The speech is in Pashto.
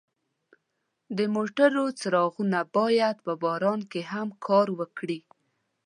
د موټرو څراغونه باید په باران کې هم کار وکړي.